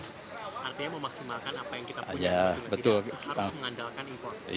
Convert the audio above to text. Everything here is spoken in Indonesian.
artinya memaksimalkan apa yang kita punya harus mengandalkan impor